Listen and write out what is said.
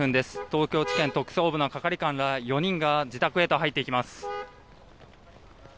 東京地検特捜部の係官ら４人が自宅へと入っていきます。